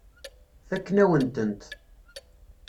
Fakken-awen-tent.